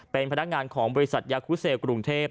เป็นพนักงานของบริษัทยาคุเซลกรุงเทพ